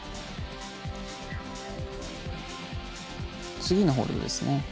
次のホールドですね。